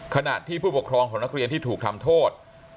ขณะที่ผู้ปกครองของนักเรียนที่ถูกทำโทษ